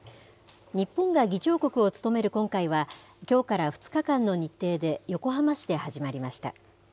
日本が議長国を務める今回は、きょうから２日間の日程で横浜市で始まりました。